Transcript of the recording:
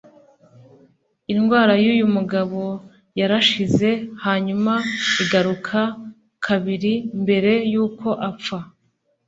Indwara yuy’umugabo yarashize hanyuma igaruka kabiri mbere yuko apfa